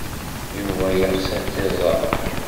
Yuba yeɣs ad t-iẓer.